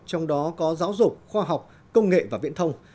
trong đó có giáo dục khoa học công nghệ và viễn thông